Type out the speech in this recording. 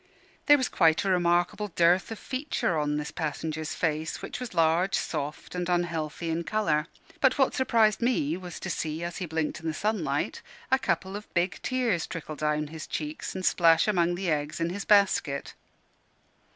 There was quite a remarkable dearth of feature on this passenger's face, which was large, soft, and unhealthy in colour: but what surprised me was to see, as he blinked in the sunlight, a couple of big tears trickle down his cheeks and splash among the eggs in his basket.